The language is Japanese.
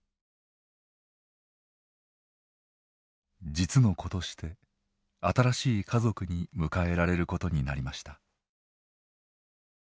実の子として新しい家族に迎えられることになりました。